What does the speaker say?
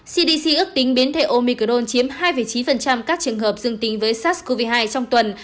cdc ước tính biến thể omicrone chiếm hai chín các trường hợp dương tính với sars cov hai trong tuần